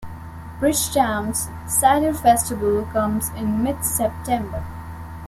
Bridgetown's Cider Festival comes in mid-September.